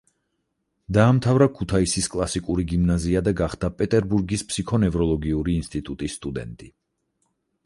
დაამთავრა ქუთაისის კლასიკური გიმნაზია და გახდა პეტერბურგის ფსიქონევროლოგიური ინსტიტუტის სტუდენტი.